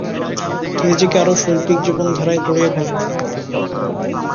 তিনি নিজেকে আরো শৈল্পিক জীবনধারায় জড়িয়ে ফেলেন।